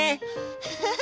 フフフ！